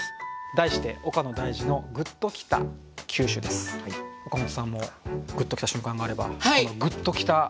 題して岡本さんもグッときた瞬間があればグッときた札を挙げて下さい。